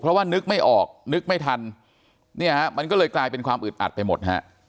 เพราะว่านึกไม่ออกนึกไม่ทันเนี่ยฮะมันก็เลยกลายเป็นความอึดอัดไปหมดฮะ